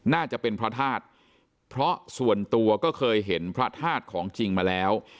น่าจะเป็นพระธาตุเพราะส่วนตัวก็เคยเห็นพระธาตุของจริงมาแล้ว